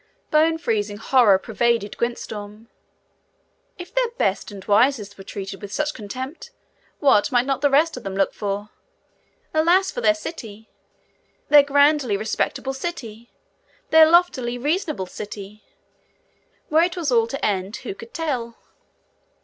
Bone freezing horror pervaded Gwyntystorm. If their best and wisest were treated with such contempt, what might not the rest of them look for? Alas for their city! Their grandly respectable city! Their loftily reasonable city! Where it was all to end, who could tell!